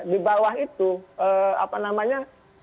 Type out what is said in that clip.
di bawah itu apa namanya